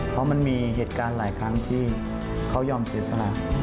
เพราะมันมีเหตุการณ์หลายครั้งที่เขายอมเสียสละ